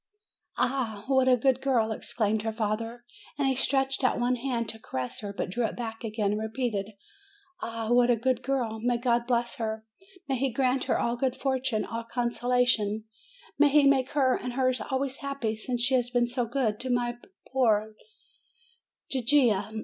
"Ah, what a good girl!" exclaimed her father; and he stretched out one hand to caress her, but drew it back again, and repeated, "Ah, what a good girl! May God bless her, may He grant her all good fortune, all consolations; may He make her and hers always happy, since she has been so good to my poor Gigia!